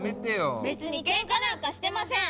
別にけんかなんかしてません！